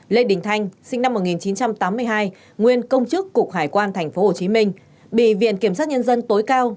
lê đình thanh sinh năm một nghìn chín trăm tám mươi hai nguyên công chức cục hải quan tp hcm bị viện kiểm sát nhân dân tối cao